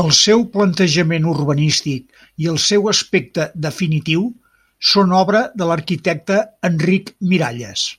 El seu plantejament urbanístic i el seu aspecte definitiu són obra de l'arquitecte Enric Miralles.